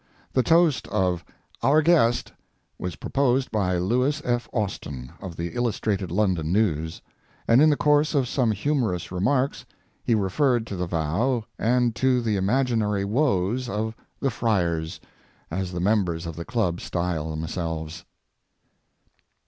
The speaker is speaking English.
The toast of "Our Guest" was proposed by Louis F. Austin, of the Illustrated London News, and in the course of some humorous remarks he referred to the vow and to the imaginary woes of the "Friars," as the members of the club style themselves.